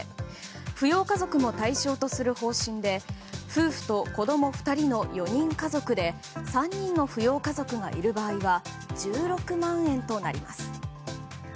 扶養家族も対象とする方針で夫婦と子供２人の４人家族で３人の扶養家族がいる場合は１６万円となります。